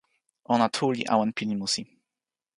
ona tu li awen pilin musi.